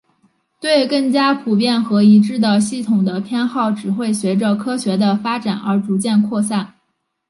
对更加普遍和一致的系统的偏好只会随着科学的发展而逐渐扩散。